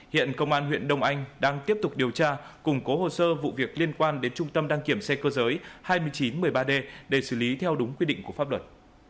hiện công an huyện đông anh đang tiếp tục điều tra củng cố hồ sơ vụ việc liên quan đến trung tâm đăng kiểm xe cơ giới hai nghìn chín trăm một mươi ba d để xử lý theo đúng quy định của pháp luật